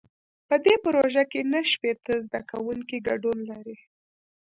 په دې پروژه کې نهه شپېته زده کوونکي ګډون لري.